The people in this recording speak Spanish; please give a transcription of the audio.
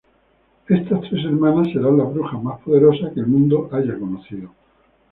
Estas tres hermanas serán las brujas más poderosas que el mundo haya conocido.